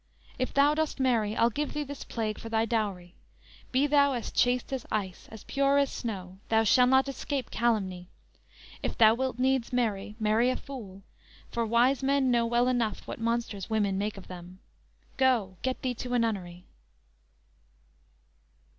If thou dost marry, I'll give thee this plague for thy dowry. Be thou as chaste as ice, as pure as snow! Thou shall not escape calumny! If thou wilt needs marry, marry a fool; For wise men know well enough what monsters women make of them! Go! get thee to a nunnery!"